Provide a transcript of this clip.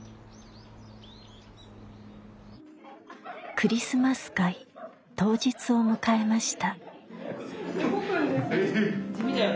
クリスマス会当日を迎えました。